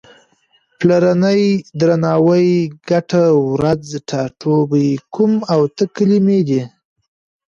پلرنی، درناوی، ګټه، ورځ، ټاټوبی، کوم او ته کلمې دي.